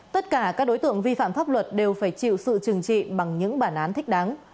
tất cả các đối tượng vi phạm pháp luật đều phải chịu sự trừng trị bằng những tài sản